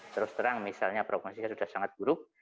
terus terang misalnya progresinya sudah sangat buruk